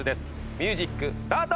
ミュージックスタート！